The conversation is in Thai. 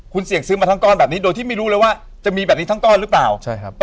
คุณถือยังไม่กลัวมันหล่นเหรอ